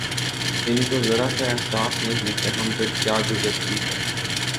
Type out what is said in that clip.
ان کو ذرا سا احساس نہیں کہ ہم پر کیا گزرتی ہے